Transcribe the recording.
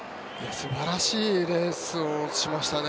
素晴らしいレースをしましたね